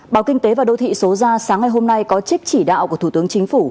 báo kinh tế và đô thị số ra sáng ngày hôm nay có trích chỉ đạo của thủ tướng chính phủ